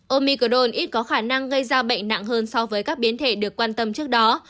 omicrone ít có khả năng gây ra bệnh nặng hơn so với các biến thể được quan tâm trước đó